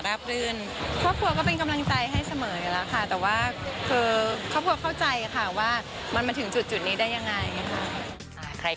รื่นครอบครัวก็เป็นกำลังใจให้เสมออยู่แล้วค่ะแต่ว่าคือครอบครัวเข้าใจค่ะว่ามันมาถึงจุดนี้ได้ยังไงค่ะ